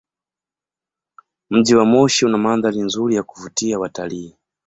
Mji wa Moshi una mandhari nzuri ya kuvutia watalii.